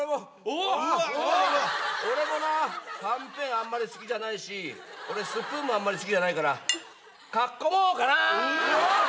あんまり好きじゃないしスプーンもあんまり好きじゃないからかき込もうかな！